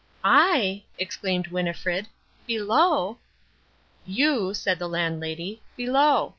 "I!" exclaimed Winnifred, "below!" "You," said the Landlady, "below.